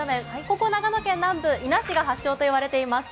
ここ、長野県南部伊那市が発祥といわれております。